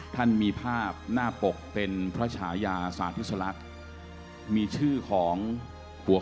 ท่านมีภาพหน้าปกเป็นพระชายาสาธิสลักษณ์มีชื่อของหัว